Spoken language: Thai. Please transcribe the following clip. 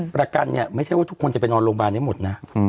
ประกันเนี่ยไม่ใช่ว่าทุกคนจะไปนอนโรงพยาบาลให้หมดนะ